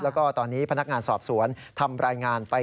แล้วก็ตอนนี้พนักงานสอบสวนทำรายงานไป